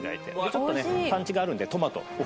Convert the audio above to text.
ちょっとねパンチがあるんでトマトお口直しで。